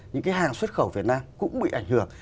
những cái hàng xuất khẩu việt nam cũng bị ảnh hưởng